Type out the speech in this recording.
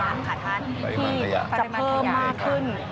ปริมาณขยะที่จะเพิ่มมากขึ้น